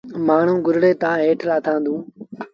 مآڻهآݩ گھوڙي تآݩ هيٺ لآٿآݩدون۔